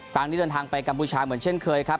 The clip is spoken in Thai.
เดินทางไปกัมพูชาเหมือนเช่นเคยครับ